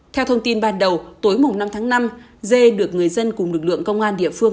theo thông tin ban đầu tối năm tháng năm dê được người dân cùng lực lượng công an địa phương